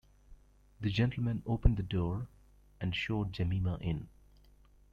The gentleman opened the door, and showed Jemima in.